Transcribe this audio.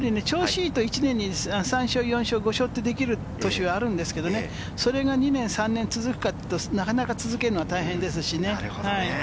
１年に３勝、４勝、５勝ってできる年があるんですけれども、それが２年・３年続くかというと、なかなか続けるのが大変ですしね。